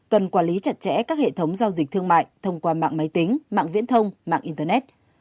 cần quản lý chặt chẽ các hệ thống giao dịch thương mại thông qua mạng máy tính mạng viễn thông mạng internet